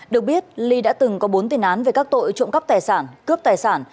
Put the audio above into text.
được biết ly đã từng có bốn tiền án về các tội trộm cắp tài sản cướp tài sản